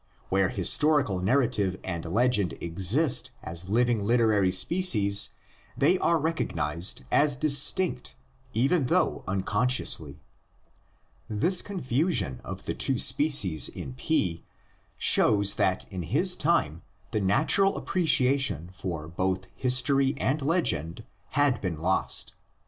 Where historical narrative and legend exist as living literary species, they are recognised as distinct, even though uncon sciously. This confusion of the two species in P shows that in his time the natural appreciation for both history and legend had been lost.